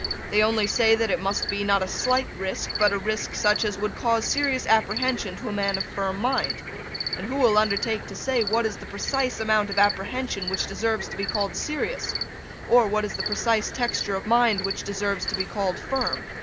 They only say that it must be, not a slight risk, but a risk such as would cause serious apprehension to a man of firm mind; and who will undertake to say what is the precise amount of apprehension which deserves to be called serious, or what is the precise texture of mind which deserves to be called firm.